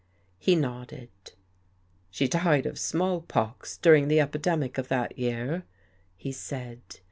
He nodded. " She died of small pox during the epidemic of that year," he said.